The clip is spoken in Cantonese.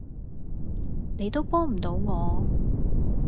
你都幫唔到我